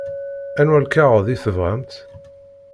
Anwa lkaɣeḍ i tebɣamt?